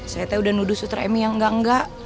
saya teh udah nuduh suster emi yang enggak enggak